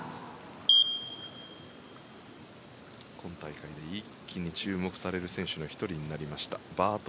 今大会で一気に注目される選手の１人になりました。